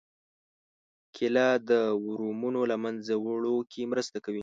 کېله د ورمونو له منځه وړو کې مرسته کوي.